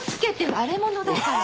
割れ物だから。